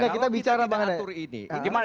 kalau kita tidak mengatur seperti ini